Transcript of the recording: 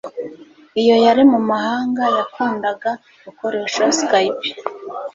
Iyo yari mumahanga yakundaga gukoresha Skype